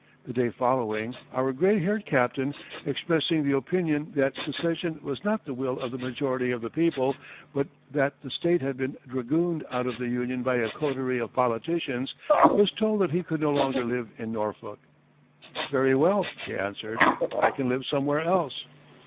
The day following, our gray haired captain, expressing the opinion that secession was not the will of the majority of the people, but that the state had been dragooned out of the Union by a coterie of politicians, was told that he could no longer live in Norfolk. "Very well," he answered, "I can live somewhere else."